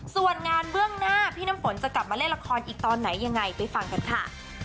ส่วนงานเบื้องหน้าพี่น้ำฝนจะกลับมาเล่นละครอีกตอนไหนยังไงไปฟังกันค่ะ